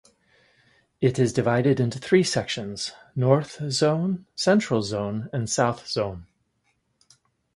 It is divided into three sections, North Zone, Central Zone and South Zone.